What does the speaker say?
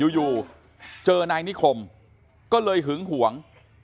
อยู่เจอนายนิคมก็เลยหึงหวง